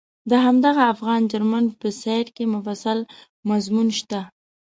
د همدغه افغان جرمن په سایټ کې مفصل مضمون شته.